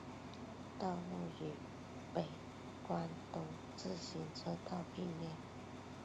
道路与北关东自动车道并行。